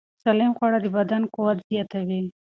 سالم خواړه د بدن قوت زیاتوي.